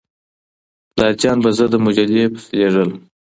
پلارجان به زه د مجلې پسې لېږلم.